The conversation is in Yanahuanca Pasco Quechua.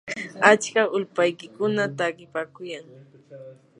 achka ulpaykuna takipaakuyan.